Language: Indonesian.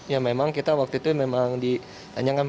ya memang kita waktu itu memang ditanyakan